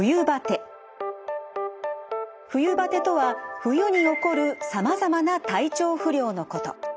冬バテとは冬に起こるさまざまな体調不良のこと。